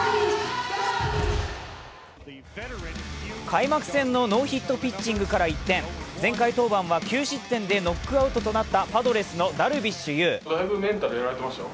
開幕戦のノーヒットピッチングから一転、前回登板は９失点でノックアウトとなったパドレスのダルビッシュ有。